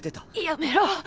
やめろ！